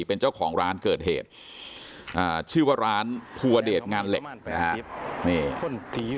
เป็นเจ้าของร้านเกิดเหตุชื่อว่าร้านภูวเดชงานเหล็กนะฮะ